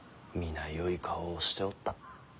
皆よい顔をしておった。